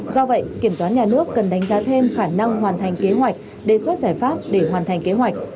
do vậy kiểm toán nhà nước cần đánh giá thêm khả năng hoàn thành kế hoạch đề xuất giải pháp để hoàn thành kế hoạch